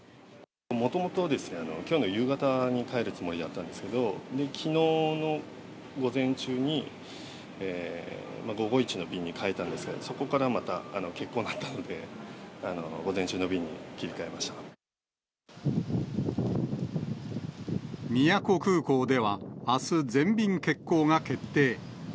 もともとですけど、きょうの夕方に帰るつもりだったんですけど、きのうの午前中に、午後イチの便に変えたんですけど、そこからまた欠航になったので、宮古空港では、あす全便欠航が決定。